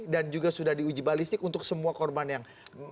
juga sudah diuji balistik untuk semua korban yang